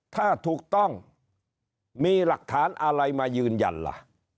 ถ้าถูกต้องมีหลักฐานอะไรมายืนยันล่ะ